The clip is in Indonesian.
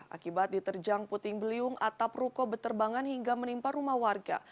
akibat diterjang puting beliung atap ruko beterbangan hingga menimpa rumah warga